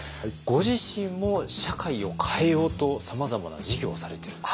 ご自身も社会を変えようとさまざまな事業をされてると。